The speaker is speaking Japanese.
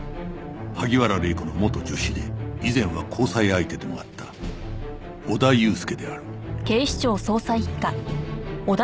萩原礼子の元助手で以前は交際相手でもあった小田悠介である